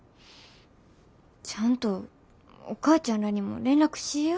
ちゃんとお母ちゃんらにも連絡しいや。